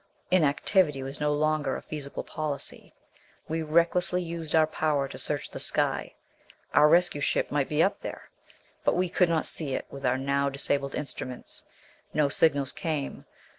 Inactivity was no longer a feasible policy. We recklessly used our power to search the sky. Our rescue ship might be up there; but we could not see it with our now disabled instruments. No signals came.